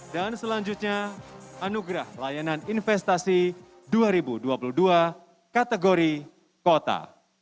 dan selanjutnya anugerah layanan investasi dua ribu dua puluh dua kategori kota